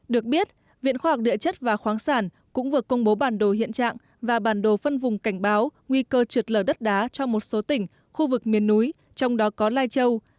được biết viện khoa học địa chất và khoáng sản cũng vừa công bố bản đồ hiện trạng và bản đồ phân vùng cảnh báo nguy cơ trượt lở đất đá cho một số tỉnh khu vực miền núi trong đó có lai châu